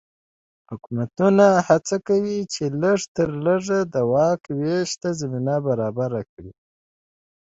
حکومتونه هڅه کوي چې لږ تر لږه د واک وېش ته زمینه برابره کړي.